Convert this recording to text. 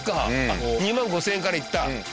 あっ２万５０００円からいった。